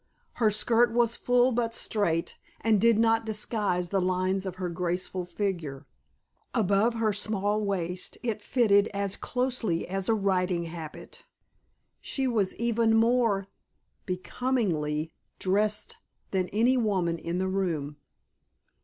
Her skirt was full but straight and did not disguise the lines of her graceful figure; above her small waist it fitted as closely as a riding habit. She was even more becomingly dressed than any woman in the room.